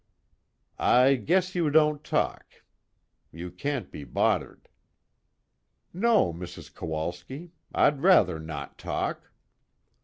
_ "I guess you don't talk, you can't be bod'ered." "No, Mrs. Kowalski, I'd rather not talk."